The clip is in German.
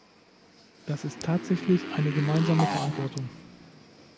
Das ist tatsächlich eine gemeinsame Verantwortung.